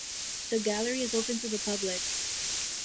The gallery is open to the public.